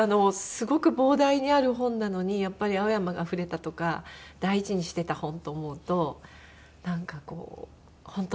すごく膨大にある本なのにやっぱり青山が触れたとか大事にしてた本と思うとなんか本当にいいんだろうか？